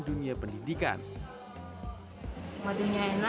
dan memiliki keuntungan untuk memiliki keuntungan